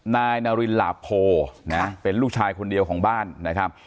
นายนารินหลาโพนะเป็นลูกชายคนเดียวของบ้านนะครับ